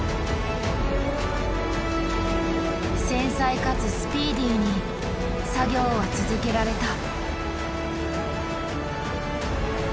繊細かつスピーディーに作業は続けられた。